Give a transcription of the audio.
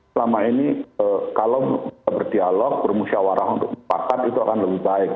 selama ini kalau berdialog bermusyawarah untuk mupakat itu akan lebih baik